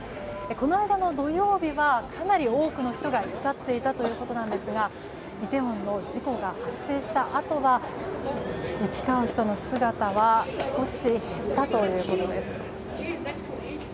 この間の土曜日はかなり多くの人が行き交っていたということなんですがイテウォンの事故が発生したあとは行き交う人の姿は少し減ったということです。